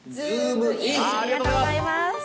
ありがとうございます。